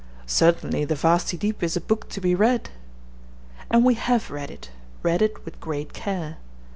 Certainly The Vasty Deep is a book to be read. And we have read it; read it with great care.